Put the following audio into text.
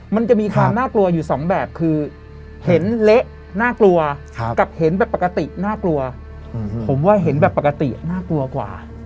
มันจะมีความน่ากลัวอยู่สองแบบคือเห็นเละน่ากลัวกับเห็นแบบปกติน่ากลัวผมว่าเห็นแบบปกติน่ากลัวกว่า